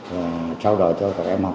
và trao đổi cho các em học tập nhạc